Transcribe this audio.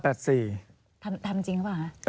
ทำจริงว่า